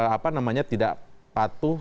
apa namanya tidak patuh